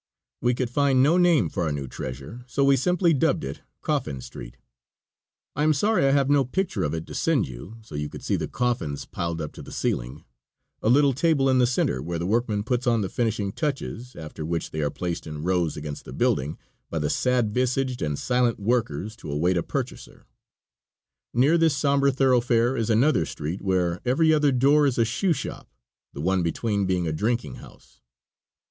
We could find no name for our new treasure, so we simply dubbed it "Coffin Street." I am sorry I have no picture of it to send you, so you could see the coffins piled up to the ceiling; a little table in the center where the workman puts on the finishing touches, after which they are placed in rows against the building, by the sad visaged and silent workers, to await a purchaser. Near this somber thoroughfare is another street where every other door is a shoe shop, the one between being a drinking house.